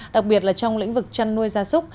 đặc biệt là trong lĩnh vực chăn nuôi gia súc